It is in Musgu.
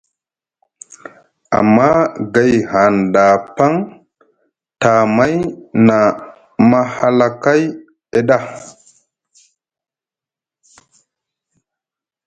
Amma gay hanɗa paŋ, tamay na mahalakay e ɗa.